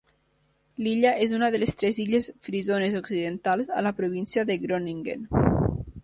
L'illa és una de les tres Illes Frisones Occidentals a la província de Groningen.